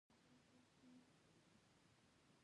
دا دښتې د اقلیم یوه ځانګړتیا ده.